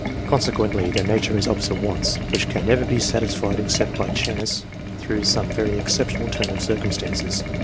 Conse quently their nature has opposite wants, which can never be satisfied except by chance, through some very excep tional turn of circumstances.